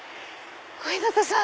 小日向さん！